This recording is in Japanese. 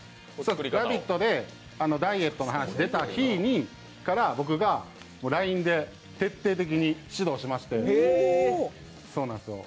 「ラヴィット！」でダイエットの話が出た日から僕がＬＩＮＥで徹底的に指導しまして。